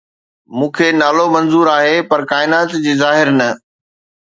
مون کي نالو منظور آهي پر ڪائنات جي ظاهر نه